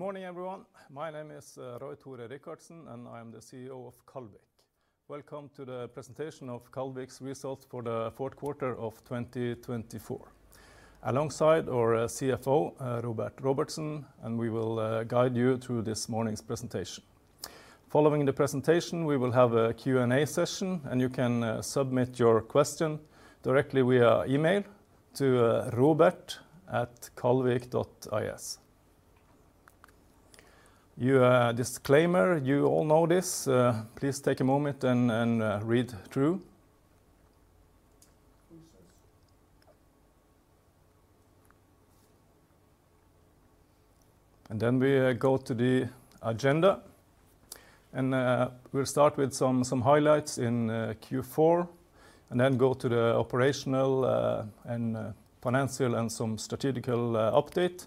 Good morning, everyone. My name is Roy-Tore Rikardsen, and I am the CEO of Kaldvik. Welcome to the presentation of Kaldvik's results for the fourth quarter of 2024, alongside our CFO, Róbert Róbertsson, and we will guide you through this morning's presentation. Following the presentation, we will have a Q&A session, and you can submit your question directly via email to robert@kaldvik.is. Your disclaimer, you all know this. Please take a moment and read through. We go to the agenda, and we'll start with some highlights in Q4, and then go to the operational and financial and some strategical update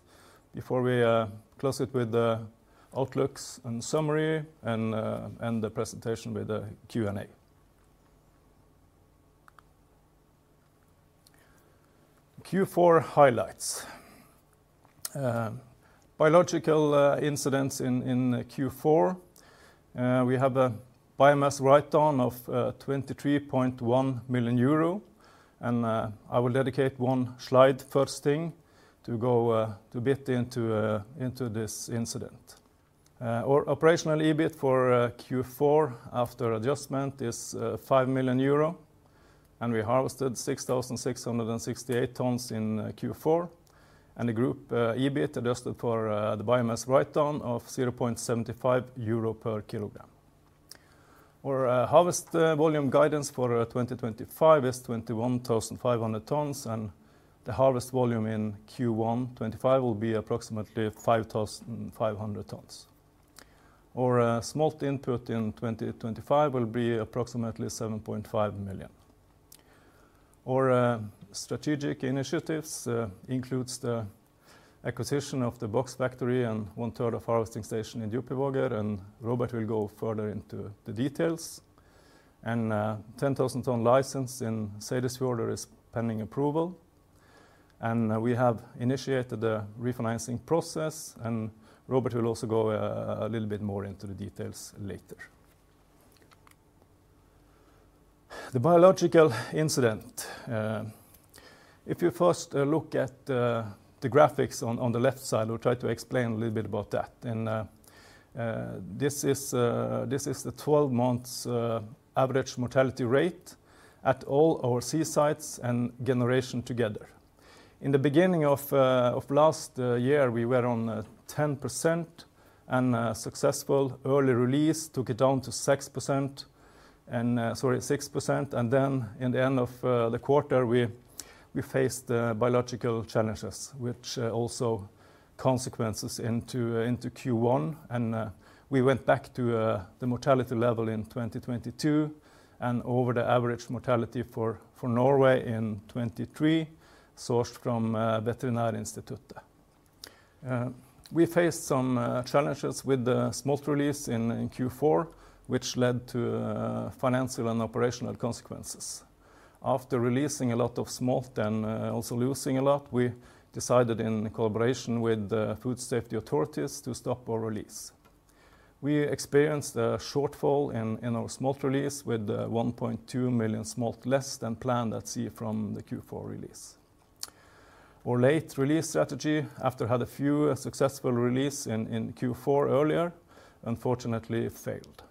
before we close it with the outlooks and summary and the presentation with the Q&A. Q4 highlights. Biological incidents in Q4. We have a biomass write-down of 23.1 million euro, and I will dedicate one slide first thing to go a bit into this incident. Operational EBIT for Q4 after adjustment is 5 million euro, and we harvested 6,668 tons in Q4, and the group EBIT adjusted for the biomass write-down of 0.75 euro per kilogram. Our harvest volume guidance for 2025 is 21,500 tons, and the harvest volume in Q1 2025 will be approximately 5,500 tons. Our smolt input in 2025 will be approximately 7.5 million. Our strategic initiatives include the acquisition of the box factory and 1/3 of the harvesting station in Djúpivogur, and Róbert will go further into the details. A 10,000-ton license in Seyðisfjörður is pending approval, and we have initiated the refinancing process, and Róbert will also go a little bit more into the details later. The biological incident. If you first look at the graphics on the left side, I'll try to explain a little bit about that. This is the 12-month average mortality rate at all our sea sites and generation together. In the beginning of last year, we were on 10%, and successful early release took it down to 6%. In the end of the quarter, we faced biological challenges, which also had consequences into Q1. We went back to the mortality level in 2022, and over the average mortality for Norway in 2023, sourced from Veterinærinstituttet. We faced some challenges with the smolt release in Q4, which led to financial and operational consequences. After releasing a lot of smolt and also losing a lot, we decided in collaboration with the food safety authorities to stop our release. We experienced a shortfall in our smolt release with 1.2 million smolt less than planned at sea from the Q4 release. Our late release strategy, after having a few successful releases in Q4 earlier, unfortunately failed.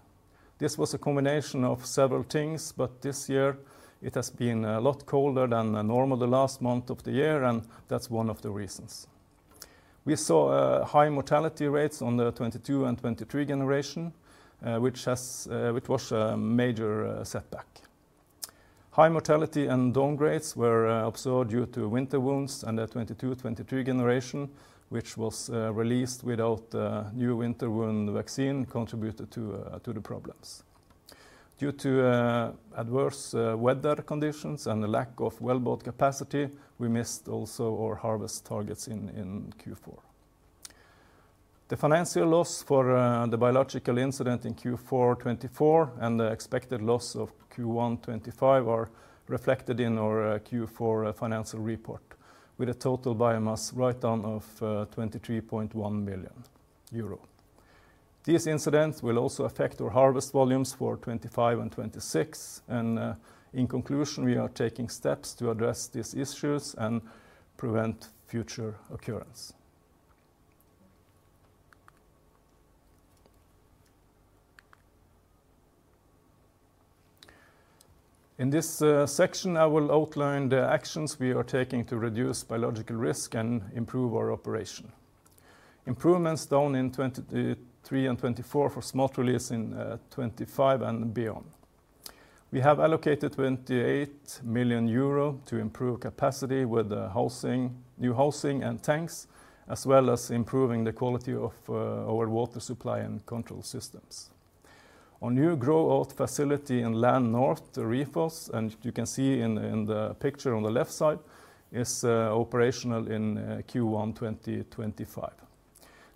This was a combination of several things, but this year it has been a lot colder than normal the last month of the year, and that's one of the reasons. We saw high mortality rates on the 2022 and 2023 generation, which was a major setback. High mortality and downgrades were observed due to winter wounds, and the 2022-2023 generation, which was released without the new winter wound vaccine, contributed to the problems. Due to adverse weather conditions and the lack of well-boat capacity, we missed also our harvest targets in Q4. The financial loss for the biological incident in Q4 2024 and the expected loss of Q1 2025 are reflected in our Q4 financial report, with a total biomass write-down of 23.1 million euro. These incidents will also affect our harvest volumes for 2025 and 2026, and in conclusion, we are taking steps to address these issues and prevent future occurrence. In this section, I will outline the actions we are taking to reduce biological risk and improve our operation. Improvements done in 2023 and 2024 for smolt release in 2025 and beyond. We have allocated 28 million euro to improve capacity with new housing and tanks, as well as improving the quality of our water supply and control systems. Our new grow-out facility in Lännorth, the Rifós, and you can see in the picture on the left side, is operational in Q1 2025.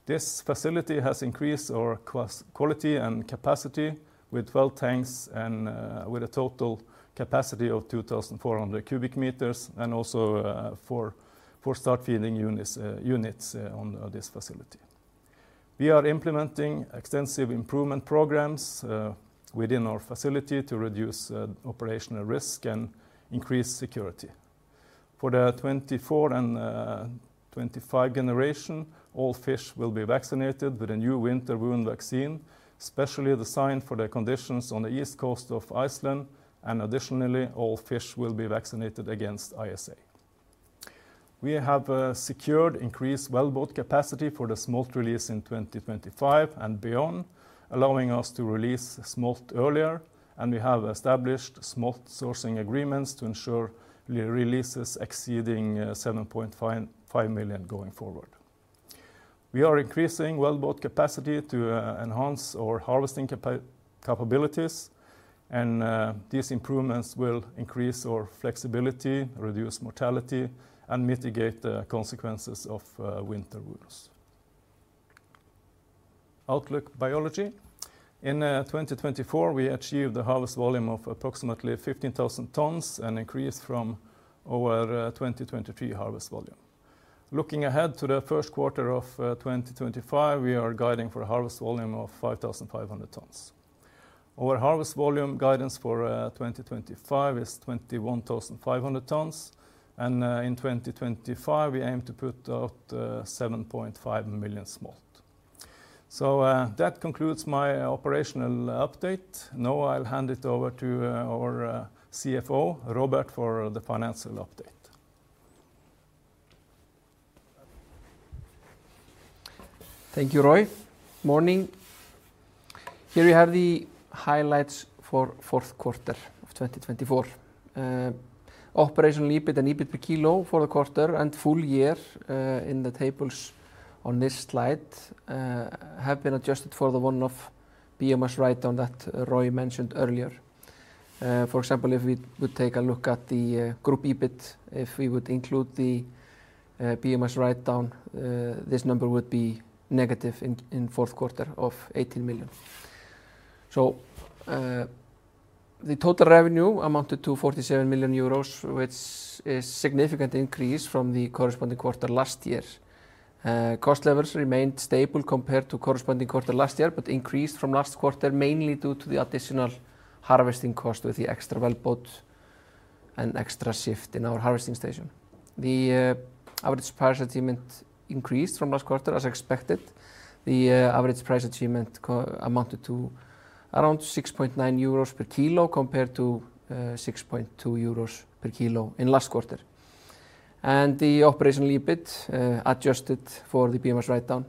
This facility has increased our quality and capacity with 12 tanks and with a total capacity of 2,400 cubic meters, and also four start-feeding units on this facility. We are implementing extensive improvement programs within our facility to reduce operational risk and increase security. For the 2024 and 2025 generation, all fish will be vaccinated with a new winter wound vaccine, specially designed for the conditions on the east coast of Iceland, and additionally, all fish will be vaccinated against ISA. We have secured increased well-boat capacity for the smolt release in 2025 and beyond, allowing us to release smolt earlier, and we have established smolt sourcing agreements to ensure releases exceeding 7.5 million going forward. We are increasing well-boat capacity to enhance our harvesting capabilities, and these improvements will increase our flexibility, reduce mortality, and mitigate the consequences of winter wounds. Outlook biology. In 2024, we achieved a harvest volume of approximately 15,000 tons and increased from our 2023 harvest volume. Looking ahead to the first quarter of 2025, we are guiding for a harvest volume of 5,500 tons. Our harvest volume guidance for 2025 is 21,500 tons, and in 2025, we aim to put out 7.5 million smolt. That concludes my operational update. Now I'll hand it over to our CFO, Róbert, for the financial update. Thank you, Roy. Morning. Here you have the highlights for the fourth quarter of 2024. Operational EBIT and EBIT per kilo for the quarter and full year in the tables on this slide have been adjusted for the one-off biomass write-down that Roy mentioned earlier. For example, if we would take a look at the group EBIT, if we would include the biomass write-down, this number would be negative in the fourth quarter of 18 million. The total revenue amounted to 47 million euros, which is a significant increase from the corresponding quarter last year. Cost levels remained stable compared to the corresponding quarter last year, but increased from last quarter mainly due to the additional harvesting cost with the extra well-boat and extra shift in our harvesting station. The average price achievement increased from last quarter, as expected. The average price achievement amounted to around 6.9 euros per kilo compared to 6.2 euros per kilo in the last quarter. The operational EBIT adjusted for the biomass write-down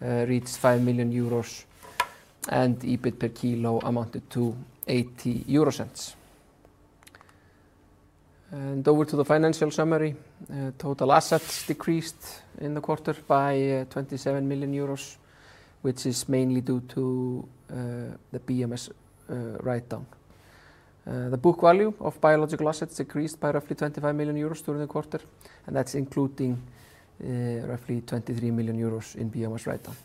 reached 5 million euros, and EBIT per kilo amounted to 0.80. Over to the financial summary. Total assets decreased in the quarter by 27 million euros, which is mainly due to the biomass write-down. The book value of biological assets decreased by roughly 25 million euros during the quarter, and that's including roughly 23 million euros in biomass write-down.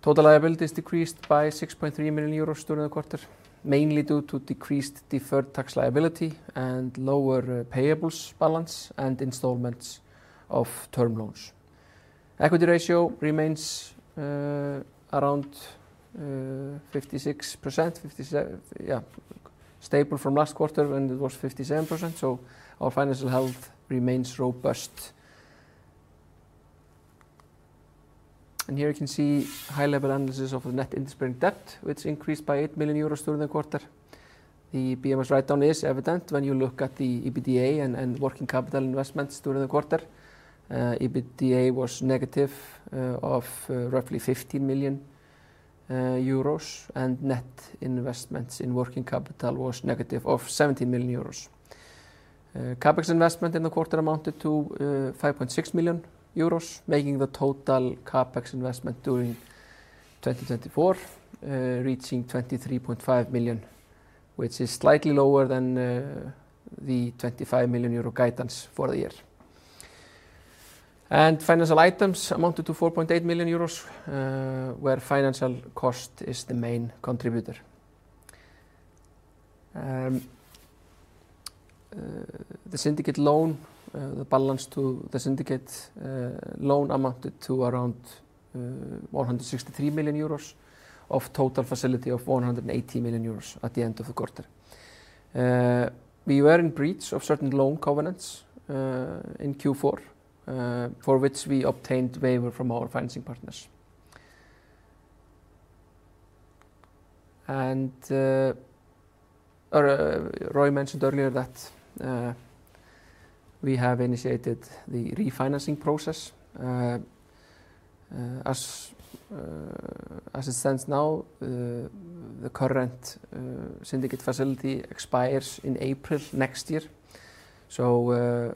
Total liabilities decreased by 6.3 million euros during the quarter, mainly due to decreased deferred tax liability and lower payables balance and installments of term loans. Equity ratio remains around 56%, stable from last quarter, and it was 57%, so our financial health remains robust. Here you can see high-level analysis of the net interest-bearing debt, which increased by 8 million euros during the quarter. The biomass write-down is evident when you look at the EBITDA and working capital investments during the quarter. EBITDA was negative of roughly 15 million euros, and net investments in working capital was negative of 17 million euros. Capex investment in the quarter amounted to 5.6 million euros, making the total capex investment during 2024 reaching 23.5 million, which is slightly lower than the 25 million euro guidance for the year. Financial items amounted to 4.8 million euros, where financial cost is the main contributor. The syndicate loan, the balance to the syndicate loan amounted to around 163 million euros of total facility of 180 million euros at the end of the quarter. We were in breach of certain loan covenants in Q4, for which we obtained waiver from our financing partners. Roy mentioned earlier that we have initiated the refinancing process. As it stands now, the current syndicate facility expires in April next year.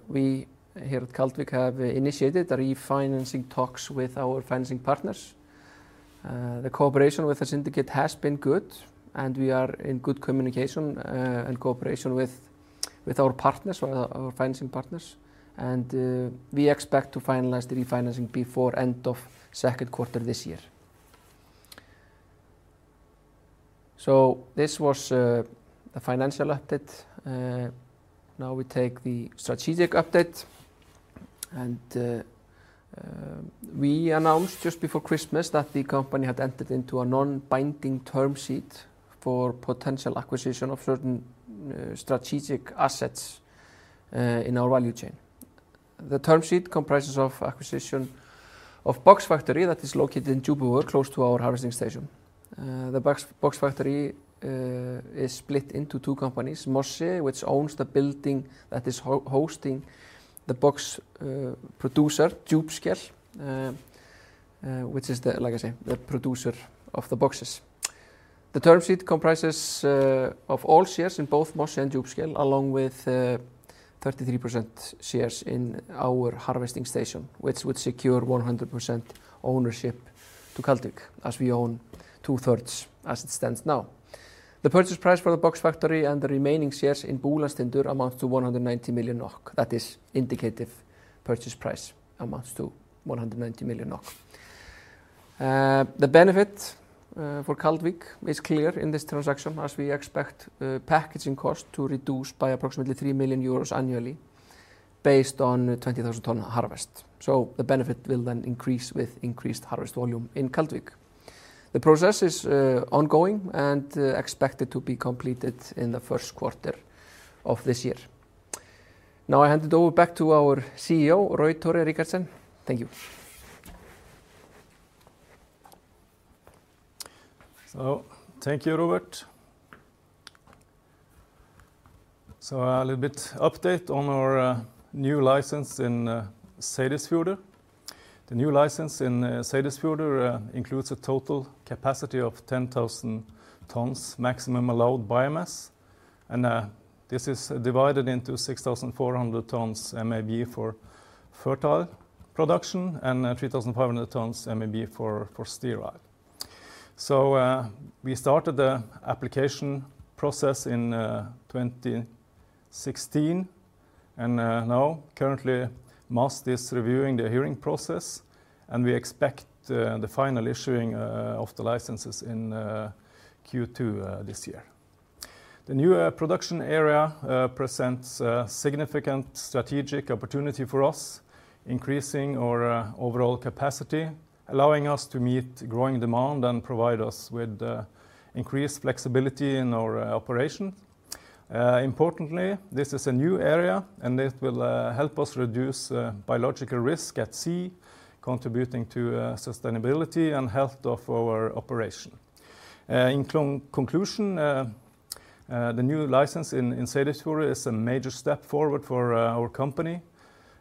We here at Kaldvik have initiated refinancing talks with our financing partners. The cooperation with the syndicate has been good, and we are in good communication and cooperation with our financing partners, and we expect to finalize the refinancing before the end of the second quarter this year. This was the financial update. Now we take the strategic update, and we announced just before Christmas that the company had entered into a non-binding term sheet for potential acquisition of certain strategic assets in our value chain. The term sheet comprises acquisition of a box factory that is located in Djúpivogur, close to our harvesting station. The box factory is split into two companies, Mossi, which owns the building that is hosting the box producer, Djúpskel, which is, like I say, the producer of the boxes. The term sheet comprises of all shares in both Mossi and Djúpskel, along with 33% shares in our harvesting station, which would secure 100% ownership to Kaldvik, as we own 2/3 as it stands now. The purchase price for the box factory and the remaining shares in Búlandstindur amounts to 190 million NOK. That is indicative purchase price amounts to 190 million NOK. The benefit for Kaldvik is clear in this transaction, as we expect packaging cost to reduce by approximately 3 million euros annually based on the 20,000-ton harvest. The benefit will then increase with increased harvest volume in Kaldvik. The process is ongoing and expected to be completed in the first quarter of this year. Now I hand it over back to our CEO, Roy-Tore Rikardsen. Thank you. Thank you, Róbert. A little bit update on our new license in Seyðisfjörður. The new license in Seyðisfjörður includes a total capacity of 10,000 tons, maximum allowed biomass, and this is divided into 6,400 tons MAB for fertile production and 3,500 tons MAB for sterile. We starte`d the application process in 2016, and now currently MAST is reviewing the hearing process, and we expect the final issuing of the licenses in Q2 this year. The new production area presents a significant strategic opportunity for us, increasing our overall capacity, allowing us to meet growing demand and provide us with increased flexibility in our operation. Importantly, this is a new area, and it will help us reduce biological risk at sea, contributing to sustainability and health of our operation. In conclusion, the new license in Seyðisfjörður is a major step forward for our company,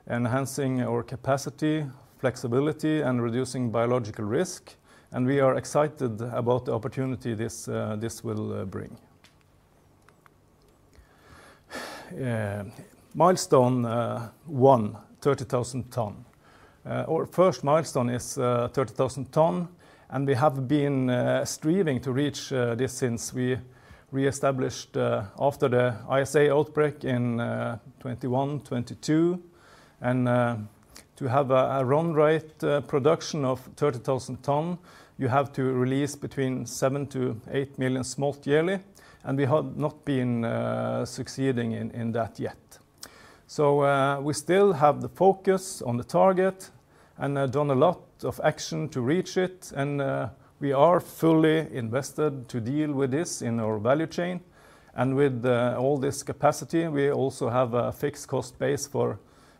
enhancing our capacity, flexibility, and reducing biological risk, and we are excited about the opportunity this will bring. Milestone one, 30,000 ton. Our first milestone is 30,000 ton, and we have been striving to reach this since we reestablished after the ISA outbreak in 2021, 2022, and to have a run rate production of 30,000 ton, you have to release between 7 million-8 million smolt yearly, and we have not been succeeding in that yet. We still have the focus on the target and have done a lot of action to reach it, and we are fully invested to deal with this in our value chain, and with all this capacity, we also have a fixed cost base for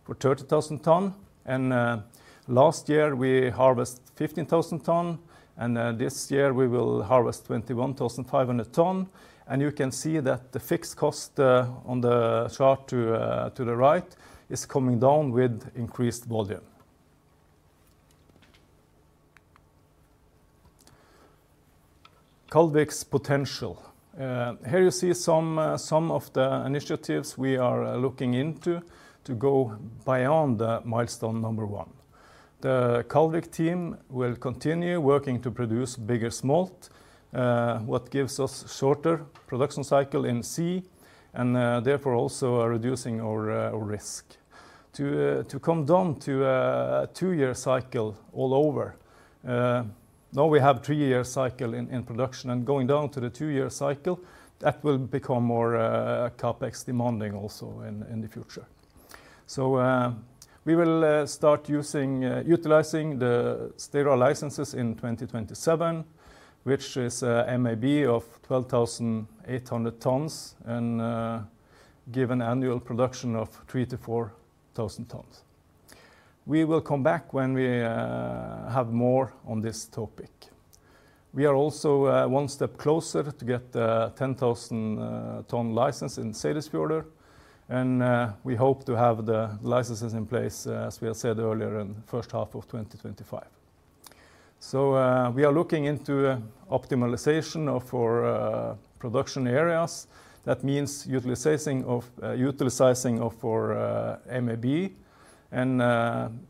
30,000 ton, and last year we harvested 15,000 ton, and this year we will harvest 21,500 ton, and you can see that the fixed cost on the chart to the right is coming down with increased volume. Kaldvik's potential. Here you see some of the initiatives we are looking into to go beyond milestone number one. The Kaldvik team will continue working to produce bigger smolt, what gives us a shorter production cycle in sea, and therefore also reducing our risk. To come down to a two-year cycle all over, now we have a three-year cycle in production, and going down to the two-year cycle, that will become more CapEx demanding also in the future. We will start utilizing the sterile licenses in 2027, which is an MAB of 12,800 tons and give an annual production of 3,000-4,000 tons. We will come back when we have more on this topic. We are also one step closer to get the 10,000-ton license in Seyðisfjörður, and we hope to have the licenses in place, as we have said earlier, in the first half of 2025. We are looking into optimalization of our production areas. That means utilizing of our MAB, and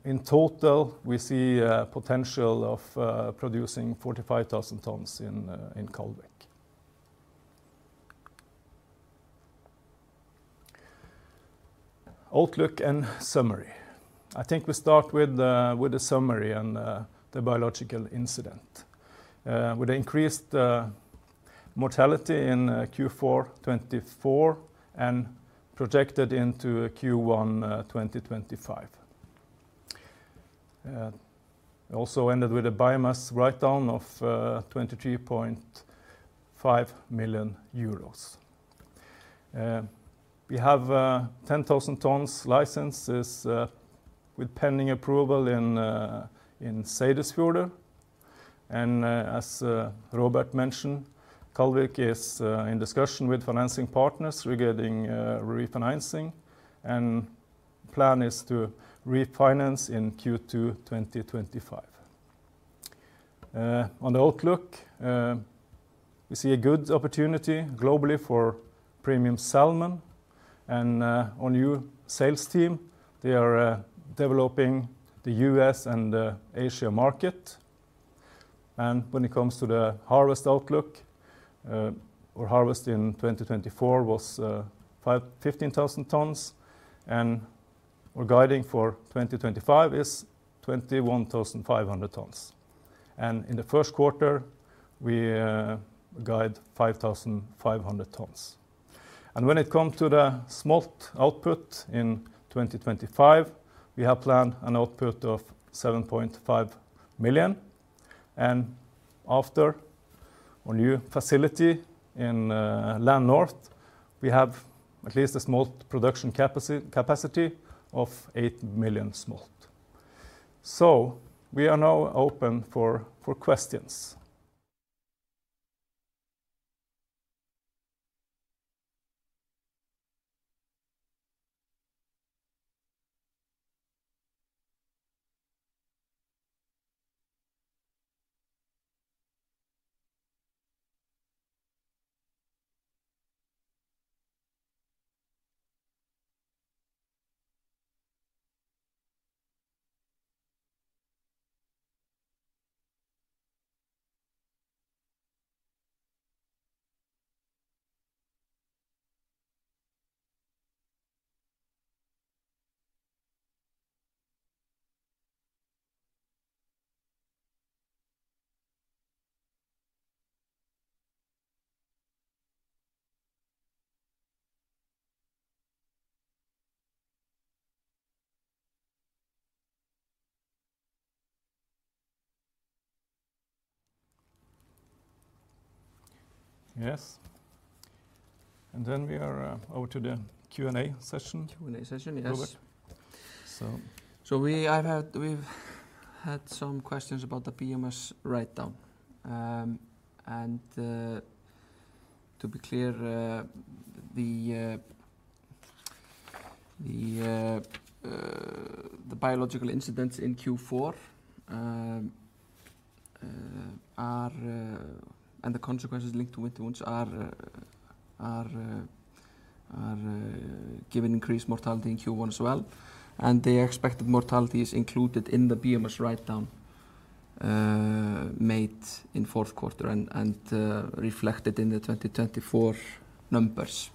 in total, we see a potential of producing 45,000 tons in Kaldvik. Outlook and summary. I think we start with the summary and the biological incident, with the increased mortality in Q4 2024 and projected into Q1 2025. We also ended with a biomass write-down of 23.5 million euros. We have a 10,000-ton license with pending approval in Seyðisfjörður, and as Róbert mentioned, Kaldvik is in discussion with financing partners regarding refinancing, and the plan is to refinance in Q2 2025. On the outlook, we see a good opportunity globally for premium salmon, and our new sales team, they are developing the US and the Asia market. When it comes to the harvest outlook, our harvest in 2024 was 15,000 tons, and our guiding for 2025 is 21,500 tons. In the first quarter, we guide 5,500 tons. When it comes to the smolt output in 2025, we have planned an output of 7.5 million, and after our new facility in Lännorth, we have at least a smolt production capacity of 8 million smolt. We are now open for questions. Yes. We are over to the Q&A session. Q&A session, yes. Róbert. We have had some questions about the biomass write-down, and to be clear, the biological incidents in Q4 and the consequences linked to winter wounds are giving increased mortality in Q1 as well, and the expected mortality is included in the biomass write-down made in the fourth quarter and reflected in the 2024 numbers.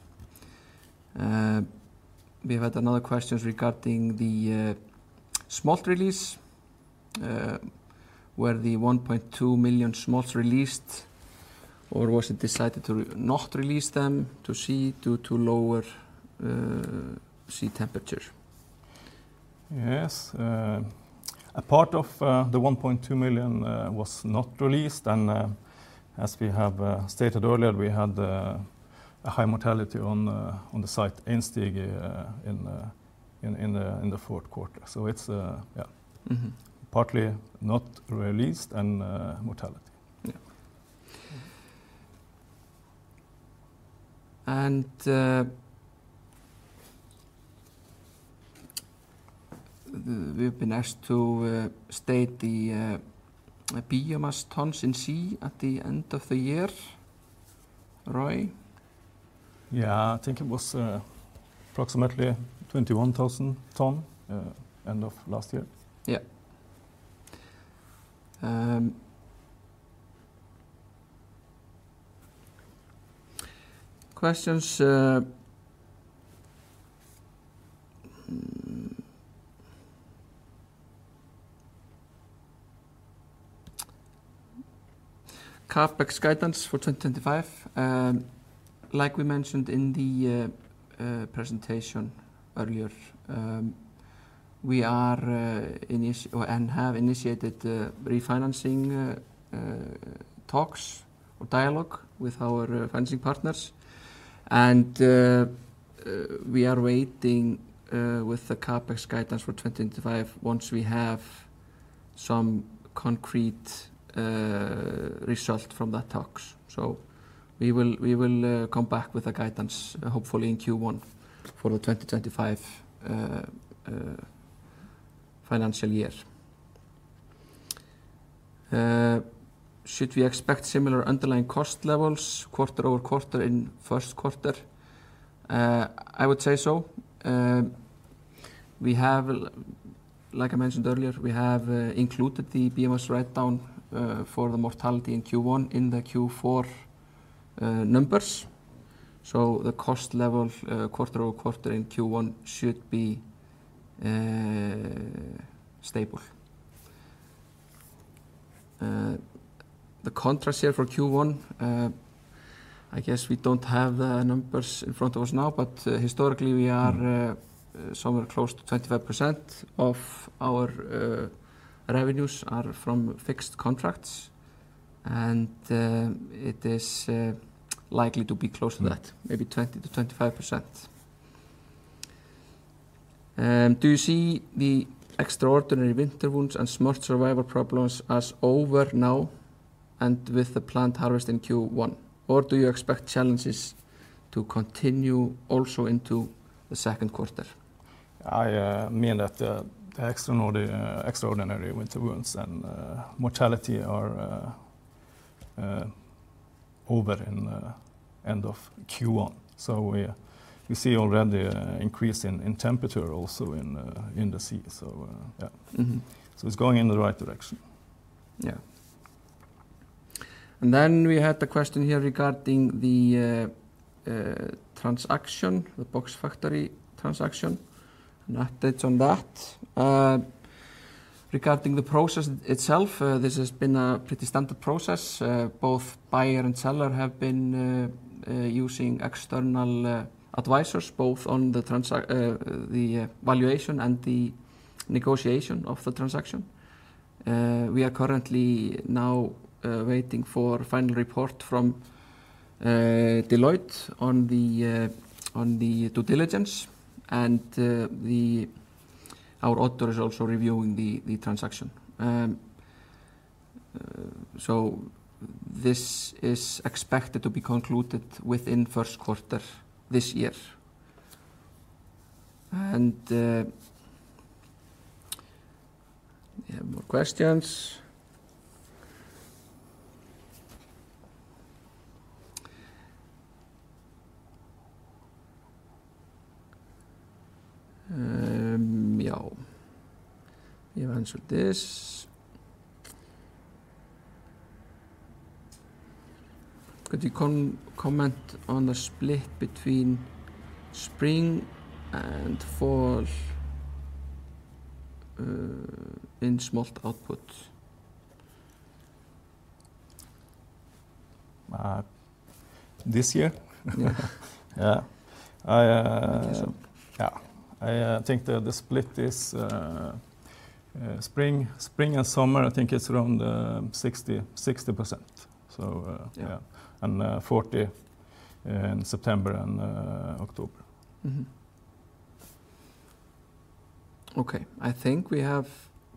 We had another question regarding the smolt release. Were the 1.2 million smolts released, or was it decided to not release them to sea due to lower sea temperature? Yes. A part of the 1.2 million was not released, and as we have stated earlier, we had a high mortality on the site in Stígur in the fourth quarter. It is partly not released and mortality. We've been asked to state the biomass tons in sea at the end of the year. Roy? Yeah, I think it was approximately 21,000 tons at the end of last year. Yeah. Questions. CapEx guidance for 2025. Like we mentioned in the presentation earlier, we have initiated refinancing talks or dialogue with our financing partners, and we are waiting with the CapEx guidance for 2025 once we have some concrete result from that talks. We will come back with a guidance, hopefully in Q1 for the 2025 financial year. Should we expect similar underlying cost levels quarter-over-quarter in the first quarter? I would say so. Like I mentioned earlier, we have included the biomass write-down for the mortality in Q1 in the Q4 numbers, so the cost level quarter-over-quarter in Q1 should be stable. The contract share for Q1, I guess we don't have the numbers in front of us now, but historically we are somewhere close to 25% of our revenues are from fixed contracts, and it is likely to be close to that, maybe 20%-25%. Do you see the extraordinary winter wounds and smolt survival problems as over now and with the planned harvest in Q1, or do you expect challenges to continue also into the second quarter? I mean that the extraordinary winter wounds and mortality are over in the end of Q1, so we see already an increase in temperature also in the sea, so it's going in the right direction. Yeah. And then we had the question here regarding the transaction, the box factory transaction, and updates on that. Regarding the process itself, this has been a pretty standard process. Both buyer and seller have been using external advisors both on the valuation and the negotiation of the transaction. We are currently now waiting for final report from Deloitte on the due diligence, and our auditor is also reviewing the transaction. This is expected to be concluded within the first quarter this year. We have more questions. Yeah. We have answered this. Could you comment on the split between spring and fall in smolt output? This year? Yeah. Yeah. I think the split is spring and summer, I think it's around 60%, so yeah, and 40% in September and October. Okay. I think we have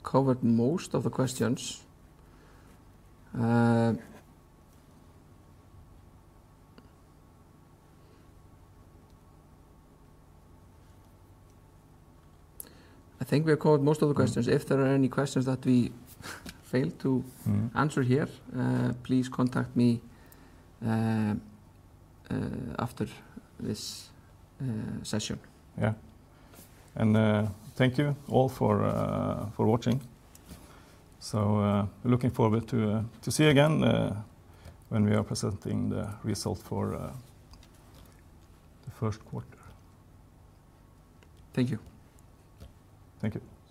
covered most of the questions. If there are any questions that we failed to answer here, please contact me after this session. Yeah. Thank you all for watching. Looking forward to see you again when we are presenting the result for the first quarter. Thank you. Thank you.